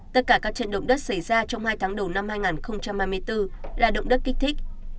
tất cả các trận động đất xảy ra trong hai tháng đầu năm hai nghìn hai mươi bốn là động đất kích thích